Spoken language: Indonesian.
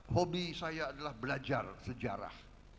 hobi saya adalah belajar sejarah